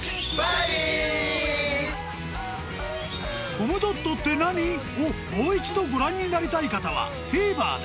［『コムドットって何？』をもう一度ご覧になりたい方はＴＶｅｒで！］